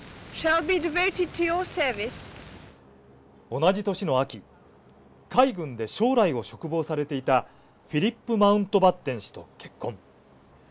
同じ年の秋海軍で将来を嘱望されていたフィリップ・マウントバッテン氏と結婚。